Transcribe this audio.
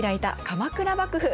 「鎌倉幕府」！